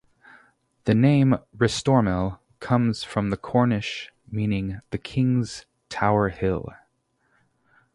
The name "Restormel" comes from the Cornish, meaning the "king's tower hill".